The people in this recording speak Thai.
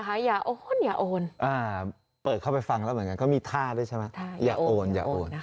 ก็คือห้ามโอนเด็กขาดครับ